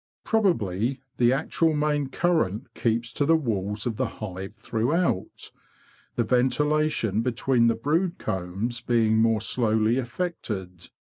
Probably the actual main current keeps to the walls of the hive throughout, the ventilation between the brood combs being more _ slowly effected.